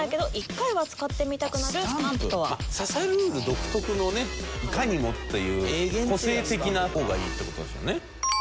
『刺さルール！』独特のねいかにもっていう個性的な方がいいっていう事でしょうね。